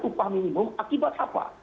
upah minimum akibat apa